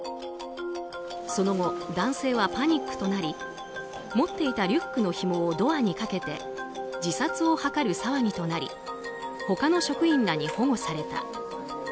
その後、男性はパニックとなり持っていたリュックのひもをドアにかけて自殺を図る騒ぎとなり他の職員らに保護された。